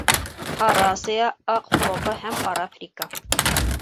Һары Асия, аҡ Фропа һәм ҡара Фрика.